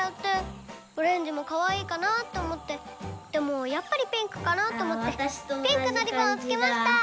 オレンジもかわいいかなって思ってでもやっぱりピンクかなって思ってピンクのリボンをつけました！